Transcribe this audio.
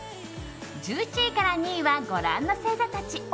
１１位から２位はご覧の星座たち。